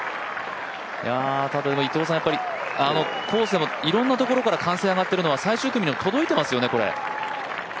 ただコースでいろんなところから歓声が上がっているのは最終組にも届いてますよね、これ。